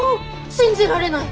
信じられない。